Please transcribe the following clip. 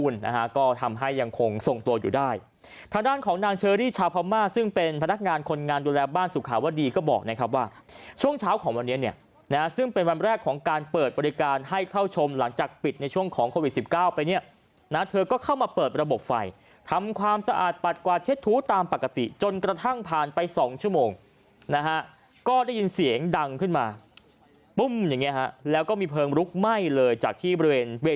ช่วงเช้าของวันเนี้ยเนี้ยนะฮะซึ่งเป็นวันแรกของการเปิดบริการให้เข้าชมหลังจากปิดในช่วงของโควิดสิบเก้าไปเนี้ยนะเธอก็เข้ามาเปิดระบบไฟทำความสะอาดปัดกวาดเช็ดถูตามปกติจนกระทั่งผ่านไปสองชั่วโมงนะฮะก็ได้ยินเสียงดังขึ้นมาปุ้มอย่างเงี้ยฮะแล้วก็มีเพลิงลุกไหม้เลยจากที่บริเ